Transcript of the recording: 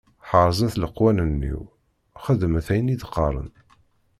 Ḥerzet leqwanen-iw, xeddmet ayen i d-qqaren.